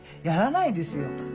やらないですよ